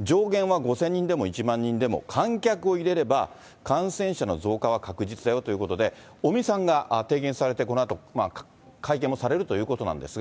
上限は５０００人でも１万人でも、観客を入れれば、感染者の増加は確実だよということで、尾身さんが提言されて、このあと会見もされるということなんですが。